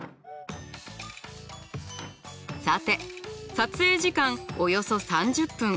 さて撮影時間およそ３０分。